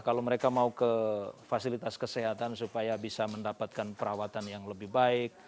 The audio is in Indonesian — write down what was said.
kalau mereka mau ke fasilitas kesehatan supaya bisa mendapatkan perawatan yang lebih baik